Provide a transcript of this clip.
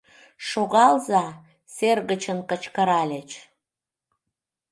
— Шогалза! — сер гычын кычкыральыч.